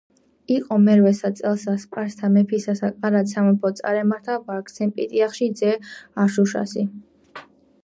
იყო მერვესა წელსა სპარსთა მეფისასა კარად სამეფოდ წარემართა ვარსქენ პიტიახში ძჱ არშუშაჲსი.